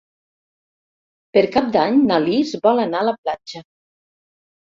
Per Cap d'Any na Lis vol anar a la platja.